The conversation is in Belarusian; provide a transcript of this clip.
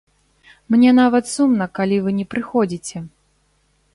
Мне нават сумна, калі вы не прыходзіце.